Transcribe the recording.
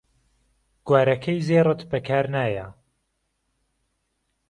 گوارەکەی زێڕت بەکار نایە